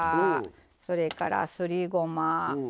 それから、すりごま。